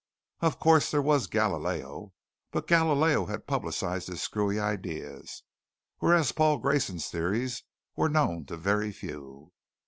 Of course, there was Galileo, but Galileo had publicized his screwy ideas, whereas Paul Grayson's theories were known to very few.